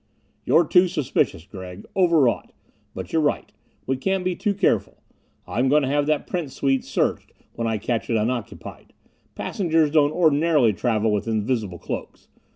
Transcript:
"You're too suspicious, Gregg. Overwrought. But you're right we can't be too careful. I'm going to have that Prince suite searched when I catch it unoccupied. Passengers don't ordinarily travel with invisible cloaks.